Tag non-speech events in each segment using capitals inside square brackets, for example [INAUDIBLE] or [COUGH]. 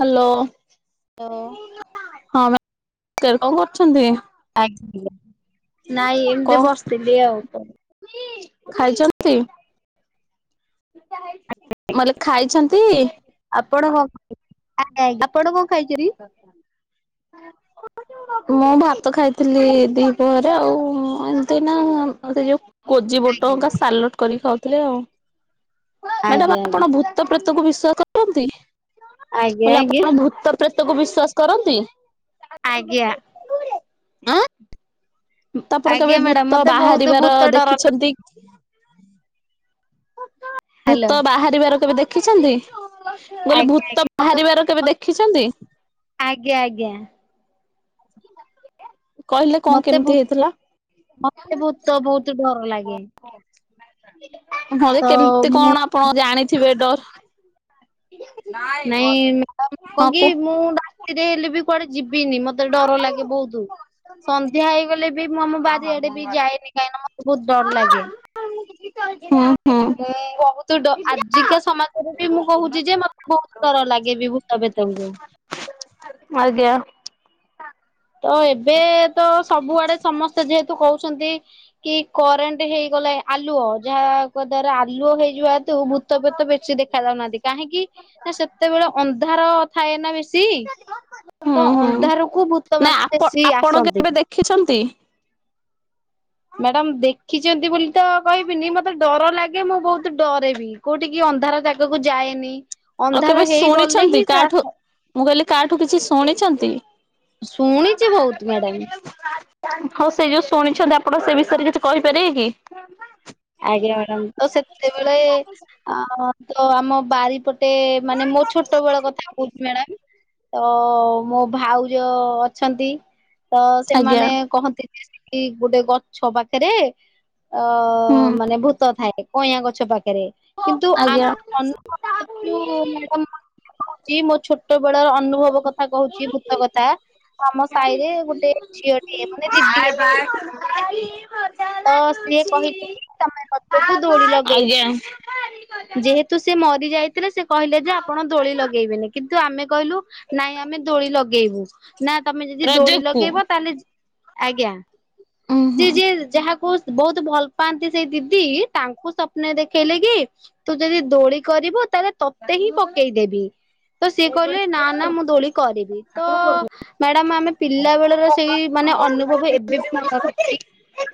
Hello. ହଁ ମା hello [UNINTELLIGIBLE] କଣ କରୁଛନ୍ତି? ଆଜ୍ଞା ନାଇଁ ଏମିତି କଣ ବସିଥିଲି ଆଉ କଣ। ଖାଇଛନ୍ତି? ମୁଁ କହିଲି ଖାଇଛନ୍ତି? ଆପଣ [INAUDIBLE] ଆପଣ କଣ ଖାଇଛ? [INAUDIBLE] ମୁଁ ଭାତ ଖାଇଥିଲି ଦିପହରେ ଆଉ ଏମିତି ନା ଆଉ ସେ ଯୋଉ କୋଜି ବୋଟ ହୁଙ୍କା ଆଜ୍ଞା ସାଲଟ୍ କରି ଖାଉଥିଲି ଆଉ ମ୍ୟାଡାମ ଆଜ୍ଞା ଆପଣ ଭୂ ତ ପ୍ରେତକୁ ବିଶ୍ୱାସ କରନ୍ତି ଆଜ୍ଞା କହିଲି ଆଜ୍ଞା ଆପଣ ଭୂତ୍ ପ୍ରେତକୁ ବିଶ୍ଵାସ କରନ୍ତି ଆଜ୍ଞା ଆଁ? ତ ଆପଣ କେବେ ଆଜ୍ଞା ମ୍ୟାଡାମ ଭୂତ ମତେ ବହୁତ ବାହାରିବାର ଭୂତ ଡର ଲାଗେ ଦେଖିଛନ୍ତି? ହ୍ୟାଲୋ ଭୂତ ବାହାରିବାର କେବେ ଦେଖିଛନ୍ତି ମୁଁ କହିଲି ଆଜ୍ଞା ଭୂତ ଆଜ୍ଞା ମତେ ବାହାରିବାର କେବେ ଦେଖିଛନ୍ତି? ଆଜ୍ଞା ଆଜ୍ଞା। କହିଲେ କଣ ମତେ କେମିତି ଭୂତ ହେଇଥିଲା? ମତେ ଭୂତ ବହୁତ ଡର ଲାଗେ ଘରେ ତ କେମତି ମୁଁ କଣ ଆପଣ ଜାଣିଥିବେ ଡ? ନା। ନାଇଁ ମ୍ୟାଡାମ୍ କଣ କି ମୁଁ ରାତିରେ ହେଲେ ବି କୁଆଡ଼େ ଯିବିନି ମତେ ଡର ଲାଗେ ବୋହୁତୁ। ସନ୍ଧ୍ୟା ହେଇଗଲେ ବି ମୁଁ ଆମ ଚାରିଆଡ଼େ ବି ଯାଇନି କାହିଁକି ନା ମତେ ବୋହୁତ୍ ଡର ଲାଗେ। ଉଁ ହୁଁ। ମୁଁ ବହୁତ ଡ ଆଜିକା ସମାଜରେ ବି ମୁଁ କହୁଛି ଯେ ମ ବୋହୁତ ଡର ଲାଗେ ବି ଭୁତ ପ୍ରେତଙ୍କୁ। ଆଜ୍ଞା। ତ ଏବେ ତ ସବୁଆଡ଼େ ସମସ୍ତେ ଯେହେତୁ କହୁଛନ୍ତି କି କରେଣ୍ଟ ହେଇଗଲା ଆଲୁଅ ଯାହା କ୍ୱ ଦ୍ଵାରା ଆଲୁଅ ହେଇଯିବା ହେ ତୁ ଭୂତ ପ୍ରେତ ବେଶୀ ଦେଖା ଯାଉନାହାନ୍ତି କାହିଁକି ନା ସେତେବେଳେ ଅନ୍ଧାର ଥାଏ ନା ବେଶୀ ହୁଁ ତ ହୁଁ ଅନ୍ଧାରକୁ ଭୂ ତ ନା ମାନେ ଆପ ବେଶୀ ଆପଣ ଆସନ୍ତି। କେବେ ଦେଖିଛନ୍ତି? ମ୍ୟାଡାମ୍ ଦେଖିଛନ୍ତି ବୋଲି ତ କହିବିନି ମତେ ଡର ଲାଗେ ମୁଁ ବୋହୁତ ଡରେ ବିି। କୋଉଠିକି ଅନ୍ଧାର ଜାଗାକୁ ଯାଏନି। ଆଉ ଅନ୍ଧାର କେବେ ହେଇଗଲେ ଶୁଣିଛନ୍ତି ହିଁ ସେ କାହାଠୁ ଆସନ୍ତି। ମୁଁ କହିଲି କାହାଠୁ କିଛି ଶୁଣିଛନ୍ତି? ଶୁଣିଛି ବୋହୁତ ମ୍ୟାଡାମ୍। ହୋଉ ସେ ଯୋଉ ଶୁଣିଛନ୍ତି ଆପଣ ସେ ବିଷୟରେ କିଛି କହିପାରିବେ କି? ଆଜ୍ଞା ମ୍ୟାଡାମ୍ ତ ସେତେବେଳେ ଅଁ ତ ଆମ ବାରିପଟେ ମାନେ ମୋ ଛୋଟ ବେଳ କଥା କହୁଛି ମ୍ୟାଡ଼ାମ୍। ତ ମୋ ଭାଉଜ ଅଛନ୍ତି। ତ ଆଜ୍ଞା ସେମାନେ କହନ୍ତି [INAUDIBLE] ଗୋଟେ ଗଛ ପାଖରେ ଅ ହୁଁ ମାନେ ଭୂତ ଥାଏ କଇଁଆ ଗଛ ପାଖରେ କିନ୍ତୁ ଆମ ଆଜ୍ଞା। [UNINTELLIGIBLE] [INAUDIBLE] ଯୋଉ ମ୍ୟାଡାମ୍ [INAUDIBLE] କହୁଛି ମୋ ଛୋଟ ବେଳର ଅନୁଭବ କଥା କହୁଛି ଭୂତ କଥା। ଆମ ସାହିରେ ଗୋଟେ ଝିଅଟିଏ ମାନେ ଦିଦି ହେବେ [INAUDIBLE] ତ ସିଏ କହିଥିଲେ। ତମେ ଲଗେଇବୁ ଦୋଳି ଲଗେଇ ଆଜ୍ଞା। ଯେହେତୁ ସେ ମରିଯାଇ ଥିଲେ ସେ କହିଲେ ଯେ ଆପଣ ଦୋଳି ଲଗେଇବେନି କିନ୍ତୁ ଆମେ କହିଲୁ ନାଇଁ ଆମେ ଦୋଳି ଲଗେଇବୁ ନା ତମେ ଯଦି ଦୋଳି ରଜକୁ ଲଗେଇବ ତାହେଲେ ଆଜ୍ଞା ଉଁ ହୁଁ ସିଏ ଯେ ଯାହାକୁ ବହୁତ ଭଲ ପାଆନ୍ତି ସେଇ ଦିଦି ତାଙ୍କୁ ସ୍ୱପ୍ନ ଦେଖେଇଲେ କି ତୁ ଯଦି ଦୋଳି କରିବୁ ତାହେଲେ ତତେ ହିଁ ପକେଇଦେବି। ତ ସିଏ କହିଲେ ନା ନା ମୁଁ ଦୋଳି କରିବି ତ ମ୍ୟାଡ଼ାମ ଆମେ ପିଲାବେଳର ସେଇ ମାନେ ଅନୁଭବ ଏବେ ବି ମନେ ଅଛି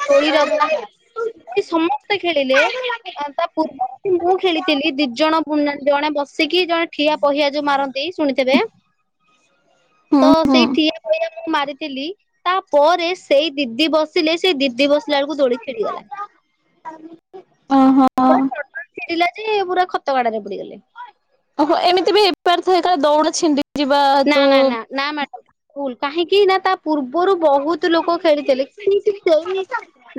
ଦୋଳି ଲଗା ଓଇ ସମସ୍ତେ ଖେଳିଲେ। ତା ପୂର୍ବରୁ ବି ମୁଁ ଖେଳିଥିଲି ଦି ଜଣ ଜଣେ ବସିକି ଜଣେ ଠିଆ ପହିଆ ଯୋଉ ମାରନ୍ତି ଶୁଣିଥିବେ। ହ ତ ସେଇ ଥିନି ପଇଆ ମୁଁ ମାରିଥିଲି। ତାପରେ ସେଇ ଦିଦି ବସିଲେ ସେଇ ଦିଦି ବସିଲା ବେଳକୁ ଦୋଳି ଛିଡି ଗଲା। ଉଁ ହୁଁ। ପୁରା ଚଡ୍‌ ଚଡ୍‌ ଚିରିଲା ଯେ ପୁରା ଖତ ଗାଡ଼ାରେ ପୁରେଇଦେଲେ। ହଁ ହ ଏମିତି ବି ହେଇ ପାରିଥାଏ କାଳେ ଦଉଡି ଛିଣ୍ଡି ଯିବା ନା ହେତୁ ନା ନା ନା ମ୍ୟାଡ଼ ଭୁଲ କାହିଁକି ନା ତା ପୂର୍ବରୁ ବହୁତ୍ ଲୋକ ଖେଳିଥିଲେ କିମିତି ସେଇ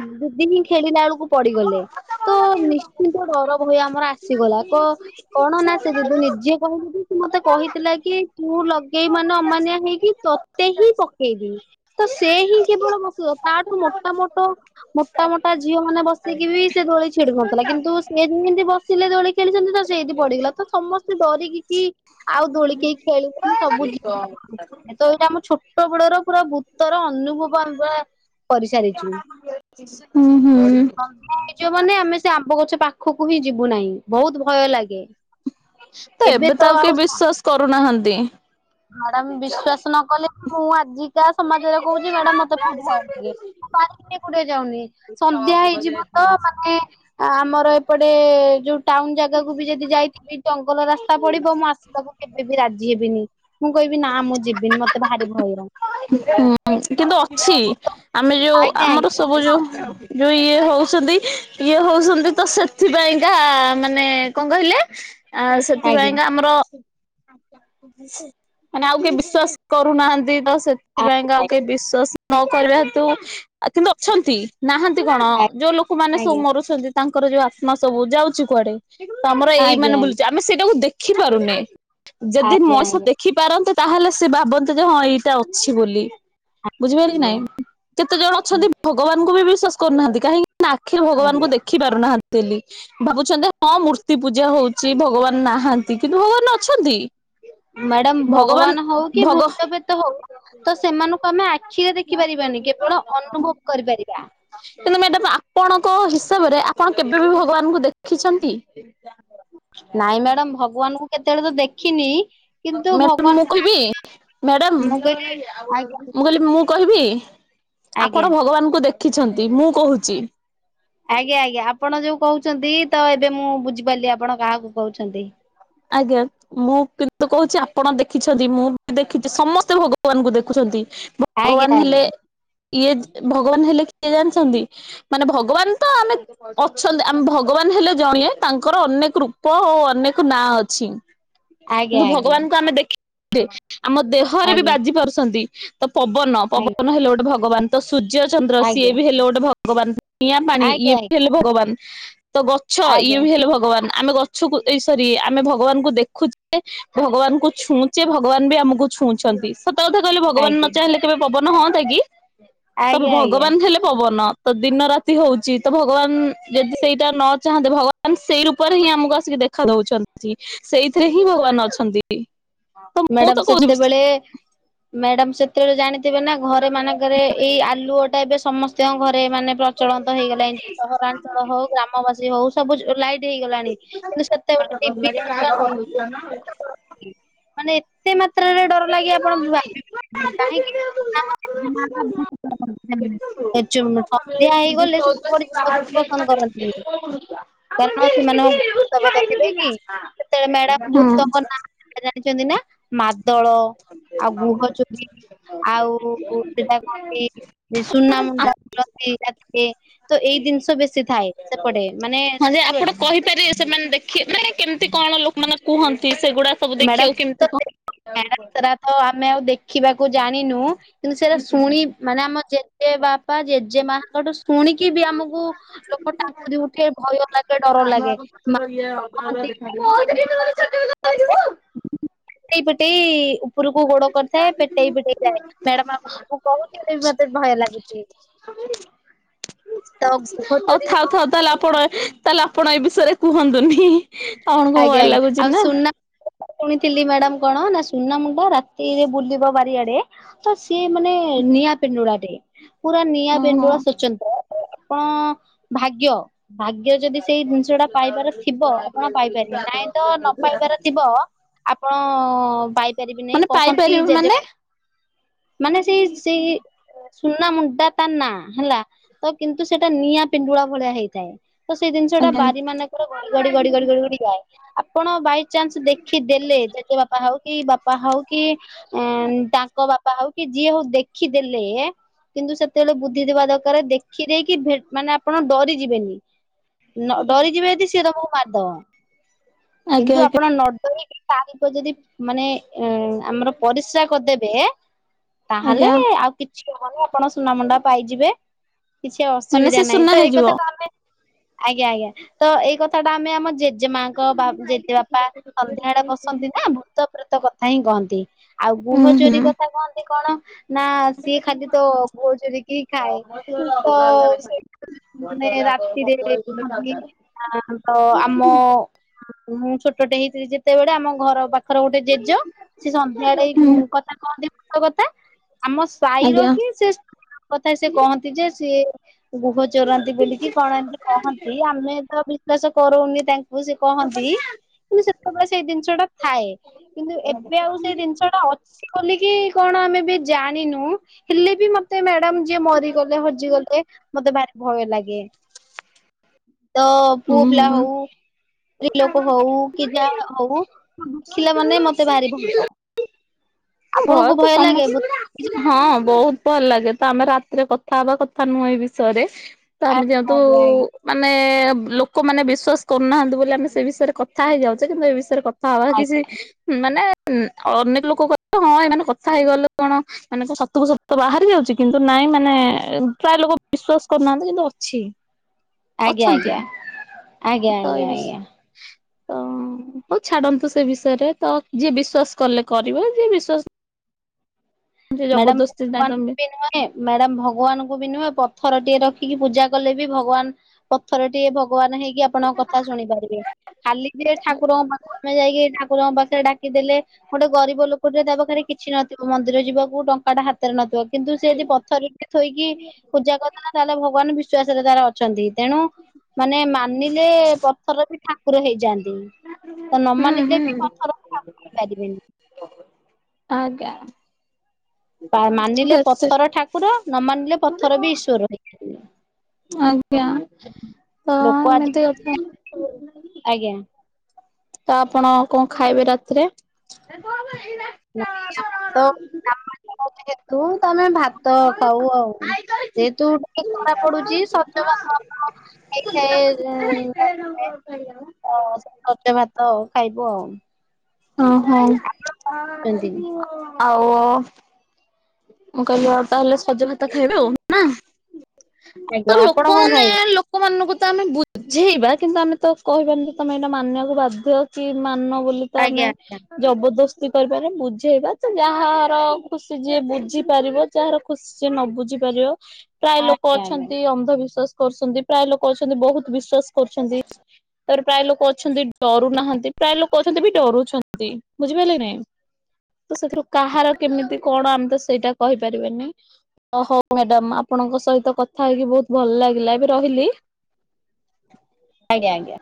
ଦିଦିନି ଖେଳିଲାଳକୁ ପଡିଗଲେ। ତ ନିଶ୍ଚିନ୍ତ ଡର ଭୟ ଆମର ଆସିଗଲା କ କଣ ନା ସେ ଦିଦି ନିଜେ କହିଲୁ କି ସେ ମତେ କହିଥିଲା କି? ତୁ ଲଗେଇ ବୁ ମାନେ ଅମାନିଆଁ ହେଇକି ତତେ ହିଁ ପକେଇବି। ତ ସେ ହିଁ କେବଳ ପଶିବ ତାଠୁ ମୋଟା ମୋଟ ମୋଟା ମୋଟା ଝିଅ ମାନେ ବସିକି ବି ସେ ଦୋଳି ଛିଡୁ ନଥିଲା କିନ୍ତୁ ସେ ଯେମିତି ବ ସିଲେ ଦୋଳି ଖେଳିଛନ୍ତି ତ ସେଇଠି ପଡିଗଲା ତ ସମସ୍ତେ ଡରିକି କି ଆଉ ଦୋଳିି କେଇ ଖେଳିଲେନି। ସବୁ ଜିନଷ [UNINTELLIGIBLE] ତ ଏଇଟା ମୁଁ ଛୋଟ ବଳେର ପୁରା ଭୂତର ଅନୁଭବ ଆମେ ପୁରା କରିସାରିଛୁ। ହୁଁ ହୁଁ। ସନ୍ଧ୍ୟା ହେଇଯିବ ମାନେ ଆମେ ସେ ଆମ୍ବ ଗଛ ପାଖକୁ ହିଁ ଯିବୁ ନାହିଁ ବହୁତ ଭୟ ଲାଗେ। ତ ଏବେ ତ ଆଉ କେହି ବିଶ୍ଵାସ କରୁନାହାନ୍ତି। ମ୍ୟାଡାମ ବିଶ୍ଵାସ ନ କଲେ ମୁଁ ଆଜିକା ସମାଜରେ କହୁଛି ମ୍ୟାଡାମ ମତେ ଭ ଭୟ ଲାଗେ। ମୁଁ ବାରି ପଟେ କୌଦେଇ ଯାଉନି ସନ୍ଧ୍ୟା ହେଇଯିବ ତ ମାନେ ଆ ଆମର ଏପଟେ ଯୋଉ ଟାଉନ ଜାଗାକୁ ବି ଯଦି ଯାଇଥିବି ଜଙ୍ଗଲ ରାସ୍ତା ପଡିବ ମୁଁ ଆସିବାକୁ କେବେ ବିି ରାଜି ହେବିନି। ମୁଁ କହିବି ନା ମୁଁ ଯିବିନି ମତେ ଭାରି ଭୟ। ହୁଁ କିନ୍ତୁ ହଁ ଅଛି ବୁଟ ଆମେ ଯୋଉ ଆଜ୍ଞା ଆମର ଆଜ୍ଞା ସବୁ ବୁଟ ଯୋଉ ଅଛି। ଯୋଉ ଇଏ ହଉଛନ୍ତି ଇଏ ହଉଛନ୍ତି ତ ସେଥିପାଇଁକା ମାନେ କଣ କହିଲେ ଆ ଆଜ୍ଞା ସେଥିପାଇଁକା ଆମର ମାନେ ଆଉ କେହି ବିଶ୍ଵାସ କରୁନାହାନ୍ତି ତ ସେଥିପାଇଁକା ଆଉ ଆଜ୍ଞା କେହି ବିଶ୍ଵାସ ନ କରିବା ହେତୁ ଆ କିନ୍ତୁ ଅଛନ୍ତି ନାହାନ୍ତି କଣ ଆଜ୍ଞା ଯୋଉ ଲୋକମାନେ ସବୁ ଆଜ୍ଞା ମରୁଛନ୍ତି। ତାଙ୍କର ଯୋଉ ଆତ୍ମା ସବୁ ଯାଉଛି କୁଆଡେ ତ ଆମର ଏଇ ଆଜ୍ଞା ମାନେ ବୁଲୁଛି ଆମେ ସେଇଟାକୁ ଦେଖି ପାରୁନେ। ଯଦି ଆଜ୍ଞା ମଣିଷ ଦେଖି ପାରନ୍ତେ ତାହେଲେ ସେ ଭାବନ୍ତେ ଯେ ହଁ ଏଇଟା ଅଛି ବୋଲି। ବୁଝିପାରିଲି ନାଇଁ କେତେ ଜଣ ଆଜ୍ଞା। ଅଛନ୍ତି ଭଗବାନଙ୍କୁ ବି ବିଶ୍ଵାସ କରୁନାହାନ୍ତି କାହିଁକି ନା ଆଖିରେ ଭଗବାନଙ୍କୁ ଆଜ୍ଞା ଦେଖି ପାରୁନାହାନ୍ତି ଲି ଭାବୁଛନ୍ତି ହଁ ମୂର୍ତ୍ତି ପୂଜା ହଉ ଛି ଭଗବାନ ନାହାନ୍ତି କିନ୍ତୁ ଭଗବାନ ଅଛନ୍ତି। ମ୍ୟାଡ଼ାମ ଭଗବାନ ହଉ କି ଭଗ ଭୂତପ୍ରେତ ହଉ। ତ ସେମାନଙ୍କୁ ଆମେ ଆଖିରେ ଦେଖି ପାରିବାନି କେବଳ ଅନୁଭବ କରିପାରିବା। କିନ୍ତୁ ମ୍ୟାଡାମ୍, ଆପଣଙ୍କ ହିସାବରେ ଆପଣ କେବେ ବି ଭଗବାନଙ୍କୁ ଦେଖିଛନ୍ତି? ନାଇଁ, ମ୍ୟାଡାମ୍ ଭଗବାନଙ୍କୁ କେତେବେଳେ ତ ଦେଖ୍ ମ୍ୟାଡ଼ାମ୍ ମୁଁ କହିବି? ମ୍ୟାଡମ୍ ମୁଁ ଆଜ୍ଞା। କହିଲି, ମୁଁ କହିବି, ଆଜ୍ଞା ଆପଣ ଭଗବାନଙ୍କୁ ଦେଖିଛନ୍ତି। ମୁଁ କହୁଛି। ଆଜ୍ଞା ଆଜ୍ଞା, ଆପଣ ଯୋଉ କହୁଛନ୍ତି ତ, ଏବେ ମୁଁ ବୁଝିପାରିଲି। ଆପଣ କାହାକୁ କହୁଛନ୍ତି? ଆଜ୍ଞା। ମୁଁ କିନ୍ତୁ କହୁଛି, ଆପଣ ଦେଖିଛନ୍ତି। ମୁଁ ବି ଦେଖିଛି, ସମସ୍ତେ ଭଗବାନଙ୍କୁ ଦେଖୁଛନ୍ତି। ଭ ଆଜ୍ଞା ଭଗବାନ ହେଲେ ଆଜ୍ଞା ଇଏ, ଭଗବାନ ହେଲେ କିଏ ଜାଣିଛନ୍ତି? ମାନେ ଭଗବାନ ତ ଆମେ ଅଛନ୍ତି, ଆମେ ଭଗବାନ ହେଲେ ଜଣିଏ, ତାଙ୍କର ଅନେକ ରୂପ ଓ ଅନେକ ନାଁ, ଅଛି। ଆଜ୍ଞା କିନ୍ତୁ ଆଜ୍ଞା ଭଗବାନଙ୍କୁ ଆମେ ଦେଖିଦେ ଆମ ଦେହ ଥରେ ବି ଆଜ୍ଞା ବାଜି ପାରୁସନ୍ତି, ତ ପବନ! ଆଜ୍ଞା ପବନ ହେଲେ ଗୋଟେ ଭଗବାନ। ତ ସୂର୍ଯ୍ୟ ଚନ୍ଦ୍ର, ସିଏ ଆଜ୍ଞା ବି ହେଲେ ଗୋଟେ ଭଗବାନ, ନିଆଁ ପାଣି ଇଏ ଆଜ୍ଞା ବି ହେଲେ ଭଗବାନ। ତ ଗଛ ଇଏ ଆଜ୍ଞା। ବି ହେଲେ ଭଗବାନ। ଆମେ ଗଛକୁ ଏଇସ୍ ସରି ଆମେ ଭଗବାନଙ୍କୁ ଦେଖୁଛେ, ଭଗବାନଙ୍କୁ ଛୁଉଁଛେ, ଭଗବାନ ବି ଆମକୁ ଛୁଉଁଛନ୍ତି। ସତ କଥା କହିଲେ, ଭଗବାନ ନ ଆଜ୍ଞା ଚାହିଁଲେ କେବେ ପବନ ହଅନ୍ତା କି, ତ ଆଜ୍ଞା ଆଜ୍ଞା ଭଗବାନ ହେଲେ ପବନ ତ, ଦିନ ରାତି ହଉଛି। ତ ଭଗବାନ ଯଦି ସେଇଟା ନ ଚାହାନ୍ତେ, ଭଗବାନ ମାନ୍ ସେଇ ରୂପରେ ହିଁ, ଆମକୁ ଆସିକି ଦେଖା ଦଉଛନ୍ତି। ସେଇଥିରେ ହିଁ ଭଗବାନ ଅଛନ୍ତି। ତ ମୁଁ ମ୍ୟାଡ଼ାମ୍ ତ କହୁଛି ହୁଁ। ସେତେବେଳେ, ମ୍ୟାଡ଼ାମ ସେତ୍ ଯେତେବେଳେ ଜାଣିଥିବେ ନା, ଘରେ ମାନେଙ୍କରେ ଏଇ ଆଲୁଅ ଟା ଏବେ ସମସ୍ତିଙ୍କ ଘରେ ମାନେ ପ୍ରଚଳନ୍ତ ହେଇଗଲାଇଁ ସହରାଞ୍ଚଳ ହଉ, ଗ୍ରାମବାସୀ ହଉ ସବୁ ଲାଇଟ୍ ହେଇଗଲାଣି। କିନ୍ତୁ ସେତେବେଳେ ଡିବି ଦରକାର ନା! [INAUDIBLE] ମାନେ ଏତେ ମାତ୍ରାରେ ଡର ଲାଗି ଆପଣ ଭାବିବି ପାରିବେନି, କାହିଁକି? ଆମ ଜେଜେମା ଟା ବହୁତ ଥେଲେ। [UNINTELLIGIBLE] ସନ୍ଧ୍ୟା ହେଇଗଲେ, ସେତ କୁଆଡେ ଯିବାକୁ ପସନ୍ଦ କରନ୍ତିନି। କାରଣ ସେମାନ ଭୁତପ୍ରେତ ଥିବେ କି? ସେତେବେଳେ ମ୍ୟାଡମ୍ ଭୁତଙ୍କ ନାଁ ଜଣିଛନ୍ତି ନା, ମାଦଳ ଆଉ, ଗୁହ ଚୋରି, ଆଉ ସେଟା କହନ୍ତି ସୁନାମଣ୍ଡା ଫୁଲ। ଏଇ ରାତିରେ ତ ଏଇ ଦିନିଷ ବେଶୀ ଥାଏ ସେପଟେ। ମାନେ ହଁ ଯେ ଆପଣ ସତେବେଳେ। କହିପାରିବେ ସେମାନେ ଦେଖି ନାଇଁ କେମିତି କଣ ଲୋକମାନେ କୁହନ୍ତି? ସେଗୁଡା ସବୁ ମ୍ୟାଡାମ ଦେଖିଆକୁ କେମିତି ତ କଣ ମ୍ୟାଡାମ ସେରା ତ ଆମେ ଆଉ ଦେଖିବାକୁ ଜାଣିନୁ। କିନ୍ତୁ ସେରା ଶୁଣି ମାନେ ଆମ ଜେଜ୍ ଜେଜେ ବାପା, ଜେଜେମାଙ୍କଠୁ ଶୁଣିକି ବି ଆମକୁ ଲୋକ ଟାଙ୍କୁରି ଉଠେ, ଭୟ ଲାଗେ, ଡର ଲାଗେ, ମା କହନ୍ତି କେମିତି [INAUDIBLE] ଏଇପଟେ ଉ ଉପରକୁ ଗୋଡ କରିଥାଏ, ପେଟେଇ ପିଟେଇ ଯାଏ। ମ୍ୟାଡାମ୍ ଆପଣଙ୍କୁ କହୁଚି ବି ମତେ ଭୟ ଲାଗୁଛି। ହଉ, ତ ଗୃହ ଚୋରି ଥାଉ ଥାଉ, କହନ୍ତି ତାହେଲେ ଆପଣେ ତାହେଲେ, ଆପଣ ଏ ବିଷୟରେ କୁହନ୍ତୁନି। ଆପଣଙ୍କୁ ଆଜ୍ଞା ଭୟ ଆଜ୍ଞା ଲାଗୁଛି ଆଉ ନା! ସୁନା ଶୁଣିଥିଲି ମ୍ୟାଡାମ୍ କଣ? ନା, ସୁନା ମୁଣ୍ଡା ରାତିରେ ବୁଲିବ ବାରିଆଡେ। ତ ସିଏ ମାନେ ନିଆଁ ପିଣ୍ଡୁଳା ଟେ। ପୁରା ନିଆଁ ଓହୋ ପେଣ୍ଡୁଳା ସ୍ଵଚନ୍ତ୍ର, ଆପଣ ଭାଗ୍ୟ! ଭାଗ୍ୟ ଯଦି ସେଇ ଜିନିଷ ଟା ପାଇବାର ଥିବ! ଆପଣ ପାଇପାରିବେ। ନାଇଁ ତ ନ ପାଇବାର ଥିବ ଆପଣ-ଅ ପାଇପାରିବେନି। ମାନେ କହନ୍ତି ପାଇପାରିବେ ଜେଜ ମାନେ? ମାନେ ସେଇ ସି ସୁନା ମୁଣ୍ଡା ତା ନା, ହେଲା ତ କିନ୍ତୁ ସେଟା ନିଆଁ ପିଣ୍ଡୁଳା ଭଳିଆ ହେଇଥାଏ। ତ ସେଇ ଜିନିଷ ଟା ଆଜ୍ଞା ବାରି ମାନଙ୍କରେ ଗଡି ଗଡି ଗଡି ଗଡି ଗଡି ଗଡି ଯାଏ। ଆପଣ ବାଇ ଚାନ୍ସ ଦେଖି ଦେଲେ, ଯେତେ ବାପା ହଉ କି, ବାପା ହଉ କି, ଏଁ ତାଙ୍କ ବାପା ହଉ କି, ଯିଏ ହଉ ଦେଖିଦେଲେ କିନ୍ତୁ ସେତେବେଳେ ବୁଦ୍ଧି ଥିବା ଦରକାର ଦେଖି ଦେଇକି ଭେ ମାନେ ଆପଣ ଡରିଯିବେନି। ନ ଡରିଯିବେ ଯଦି ସିଏ ତମକୁ ମାରିଦବ। ଆଜ୍ଞା କିନ୍ତୁ ଆଜ୍ଞା ଆପଣ ନ ଡରିକି ପାରିବ ଯଦି ମାନେ ଏଁ ଆମର ପରିସ୍ରା କରିଦେବେ ତାହେଲେ ଆଜ୍ଞା ଆଉ କିଛିହବନି ଆଉ। ଆପଣ ସୁନା ମୁୁଣ୍ଡା ପାଇଯିବେ କିଛି ମାନେ ଅସୁବିଧା ସେ ନାହିଁ ସୁନା ତ ଏଇ ହେଇଯିବ। କଥା କୁ ଆମେ ଆଜ୍ଞା ଆଜ୍ଞା ତ ଏଇ କଥା ଟା ଆମେ ଆମ ଜେଜେମା ଙ୍କ ବା ଯେଯେବାପା ସନ୍ଧ୍ୟା ଳେ ବସନ୍ତି ନା ଭୂତ ପ୍ରେତ କଥା ହିଁ କହନ୍ତି। ଆଉ ଉଁ ବୁହ ହୁଁ। ଚୋରି କଥା କହନ୍ତି କଣ ନା ସିଏ ଖାଲି ତ ଗୁଅ ଚୋରିକି ଖାଏ ତ ସେ ମାନେ ରାତିରେ କହନ୍ତି ଆ ଆମ ଅ ମୁଁ ଛୋଟଟେ ହେଇଥିଲି ଯେତେବେଳେ ଆମ ଘର ପାଖ ଖର ଗୋଟେ ଜେଜ ସେ ସନ୍ଧ୍ୟା ଆଡେ ଏଇ ହୁଁ କଥା କହନ୍ତି ଭୁତ କଥା ଆମସ ପାଇ ର ଆଜ୍ଞା ହିଁ ସେ କଥା ସେ କହନ୍ତି ଯେ ସିଏ ଗୁହ ଚୋରାନ୍ତି ବୋଲିକି କଣ ଏମତି କହନ୍ତି ଆମେ ତ ବିଶ୍ଵାସ କରୁନି। ଉସି ସେ କହନ୍ତି କିନ୍ତୁ ସେତେବେଳେ ସେଇ ଜିନିଷ ଟା ଥାଏ କିନ୍ତୁ ଏବେ ଆଉ ସେଇ ଜିନିଷ ଟା ଅଛି ବୋଲିକି କଣ ଆମେ ବି ଜାଣିନୁ ହେଲେ ବି ମତେ ମ୍ୟାଡାମ ଯିଏ ମରିଗଲେ ହଜିଗଲେ ମତେ ଭାରି ଭୟ ଲାଗେ। ତ ପୁଅ ପିଲା ହଉ [UNINTELLIGIBLE] ସ୍ତ୍ରୀ ଲୋକ ହଉ କି ଯାହା ହଉ ଦେଖିଲା ମାନେ ମତେ ଭାରି ଭଲ ଉୟ ଆପଣଙ୍କୁ ତ ଭୟ ଲାଗେ? ସମସ୍ତ ହଁ ବୋହୁତ। ଭଲ ଲାଗେ ତ ଆମେ ରାତିରେ କଥାହବା କଥା ନୁହେଁ ଏ ବିଷୟରେ ତ ଆମେ ଆଜ୍ଞା ଯେହେତୁ ଆଜ୍ଞା ମାନେ ଲୋକମାନେ ବିଶ୍ୱାସ କରୁନାହାନ୍ତି ବୋଲି ଆମେ ସେ ବିଷୟରେ କଥା ହେଇଯାଉଚେ କିନ୍ତୁ ଏ ବିଷୟରେ କ ହବା କିଛି ମାନେ ଅନେକ ଲୋକ କହ ହଁ ଏମାନେ କଥା ହେଇଗଲେ କଣ ମାନେ କ ସତକୁ ସତ ବାହାରି ଯାଉଚି କିନ୍ତୁ ନାଇଁ ମାନେ ପ୍ରାୟ ଲୋକ ବିଶ୍ଵାସ କରୁନାହାନ୍ତି କିନ୍ତୁ ଅଛି। ଆଜ୍ଞା ଆଜ୍ଞା ଅଛନ୍ତି ଆଜ୍ଞା ଆଜ୍ଞା ଆଜ୍ଞା। ହଁ। ହଁ ହଉ ଛାଡନ୍ତୁ ସେ ବିଷୟରେ ତ ଯିଏ ବିଶ୍ଵାସ କଲେ କରିବ ଯିଏ ବିଶ୍ଵାସ ଜି ଜବରଦସ୍ତି ନାଇ ତମେ ନେ ମ୍ୟାଡାମ ଭଗବାନଙ୍କୁ ବି ନୁହେଁ ପଥର ଟିକେ ରଖିକି ପୂଜା କଲେ ବି ଭଗବାନ ପଥର ଟିକେ ଭଗବାନ ହେଇକି ଆପଣଙ୍କ କଥା ଶୁଣି ପାରିବେ। ଖାଲି ଯିଏ ଠାକୁରଙ୍କ ପାଖରେ ଯାଇକି ଠାକୁରଙ୍କ ପାଖରେ ଡା କିଦେଲେ ଗୋଟେ ଗରିବ ଲୋକଟରେ ତା ପଖରେ କିଛି ନଥିବ ମନ୍ଦିର ଯିବା କୁ ଟଙ୍କା ଟା ହାତ ରେ ନଥିବ କିନ୍ତୁ ସେ ଯଦି ପଥରରେ ଥୋଇକି ପୂଜା କରିଦେଲା ତାହେଲେ ଭଗବାନ ବିଶ୍ଵାସରେ ତାର ଅଛନ୍ତି ତେଣୁ ମାନେ ମାନିଲେ ପଥର ବି ଠାକୁର ହେଇଯାଆନ୍ତି। ତ ନ ହୁଁ ମାନିଲେ ହୁଁ ବି ପଥର ଠାକୁର ପାରିବେନି। ଆଜ୍ଞା। ମାନିଲେ ପଥର ଠାକୁର ନ ମାନିଲେ ପଥର ବି ଈଶ୍ୱର ହେଇଯିବେ। ଆଜ୍ଞା ତ ଲୋକ ଏମିତି କଥା। ଆଜିକାଲି ଆଜ୍ଞା। ତ ଆପଣ କଣ ଖାଇବେ ରାତିରେ। ତୁ ତମେ ଭାତ ଖାଉ ଆଉ। ଯେ ତୁ [INAUDIBLE] ଖରା ପଡୁଚି ସଜ [UNINTELLIGIBLE] ହେଇ ଥାଏ [UNINTELLIGIBLE] ଅ ସଜ ଭାତ ଆଉ ଖାଇବୁ ଆଉ। ହଁ ସେମିତି ହଁ ଆଉ। ମୁଁ କହିଲି ତାହେଲେ ସଜ ଭାତ ଖାଇବେ ଆଉ ନା ଆଜ୍ଞା ତ ଆପଣ କଣ ଲୋକମାନେ ଖାଇବେ? ଲୋକ ଲୋକମାନଙ୍କୁ ତ ଆମେ ବୁଝେଇବା କିନ୍ତୁ ଆମେ ତ କହିବାନି ଯେ ତମେ ଏଇଟା ମାନିବାକୁ ବାଧ୍ୟ କି ମାନ ବୋଲି। ତ ଆମେ ଆଜ୍ଞା ଆଜ୍ଞା ଜବରଦସ୍ତି କରିବା ରେ ବୁଝେଇବା ତ ଯାହାର ଖୁସି ଯିଏ ବୁଝି ବୁଝିପାରିବ ଯାହାର ଖୁସି ସେ ନ ବୁଝି ପାରିବ ପ୍ରାୟେ ଲୋକ ଆଜ୍ଞା ଆଜ୍ଞା ଅଛନ୍ତି ଅନ୍ଧବିଶ୍ୱାସ କରୁଚନ୍ତି। ପ୍ରାୟ ଲୋକ ଅଛନ୍ତି ବହୁତ ବିଶ୍ଵାସ କରୁଛନ୍ତି। ତାପରେ ପ୍ରାୟ ଲୋକ ଅଛନ୍ତି ଡରୁ ନାହାନ୍ତି ପ୍ରାୟ ଲୋକ ଅଛନ୍ତି ବି ଡରୁଛନ୍ତି ବୁଝିପାଇଲେ କି ନାଇଁ ତ ସେଥିରୁ କାହାର କେମିତି କଣ ଆମେ ତ ସେଇଟା କହିପାରିବାନି। ହଉ ମ୍ୟାଡାମ ଆପଣଙ୍କ ସହିତ କଥା ହେଇକି ବହୁତ ଭଲ ଲାଗିଲା ଏବେ ରହିଲି। ଆଜ୍ଞା।